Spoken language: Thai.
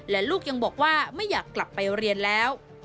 และลูกยังบอกว่าไม่อยากกลับไปเรียนแล้ว